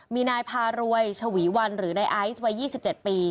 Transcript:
มีนายพารวยฉวีวันหรือนายไอซ์วัย๒๗ปี